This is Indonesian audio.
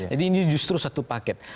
jadi ini justru satu paket